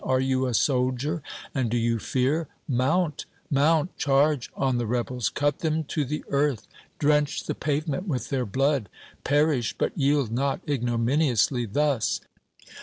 Are you a soldier and do you fear? Mount! mount! charge on the rebels! cut them to the earth! drench the pavement with their blood! perish, but yield not ignominiously thus!"